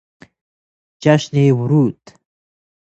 جشن ورود